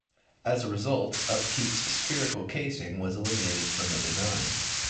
As a result, Upkeep's spherical casing was eliminated from the design.